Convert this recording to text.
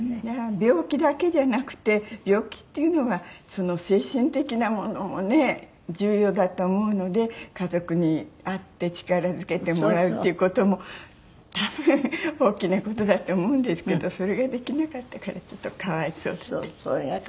病気だけじゃなくて病気っていうのは精神的なものもね重要だと思うので家族に会って力づけてもらうっていう事も多分大きな事だと思うんですけどそれができなかったからちょっと可哀想だった。